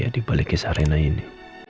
di balik kisah rena ini